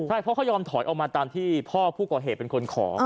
ใช่เพราะเขายอมถอยออกมาตามที่พ่อผู้ก่อเหตุเป็นคนขอ